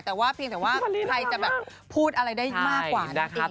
และถึงใครจะพูดอะไรได้มากว่า